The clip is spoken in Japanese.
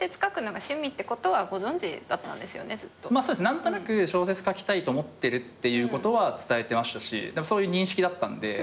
何となく小説書きたいと思ってるっていうことは伝えてましたしそういう認識だったんで。